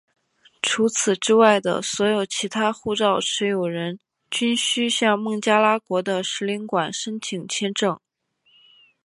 除此之外的所有其他护照持有人均须向孟加拉国的使领馆申请签证。